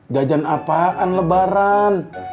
jajan apaan lebaran